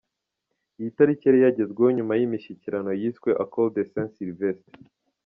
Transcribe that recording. Iyi tariki yari yagezweho nyuma y’imishyikirano yiswe “Accord de Saint Sylvestre“.